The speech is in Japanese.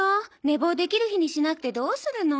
寝坊できる日にしなくてどうするの。